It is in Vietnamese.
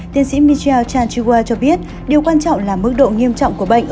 tiến sĩ michel chanchiwa cho biết điều quan trọng là mức độ nghiêm trọng của bệnh